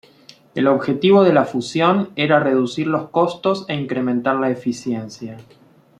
El objetivo de la fusión era reducir los costos e incrementar la eficiencia.